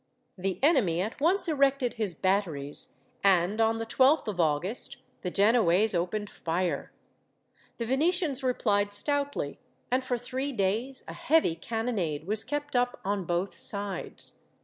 The enemy at once erected his batteries, and, on the 12th of August, the Genoese opened fire. The Venetians replied stoutly, and for three days a heavy cannonade was kept up on both sides.